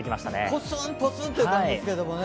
ポツンポツンという感じですけどね。